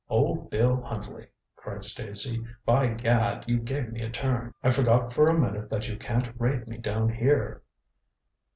"Old Bill Huntley!" cried Stacy. "By gad, you gave me a turn. I forgot for a minute that you can't raid me down here."